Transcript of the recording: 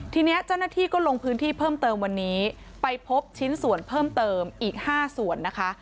ทีนี้เจ้าหน้าที่ก็ลงพื้นที่เพิ่มเติมวันนี้ไปพบชิ้นส่วนเพิ่มเติมอีก๕ส่วนนะคะ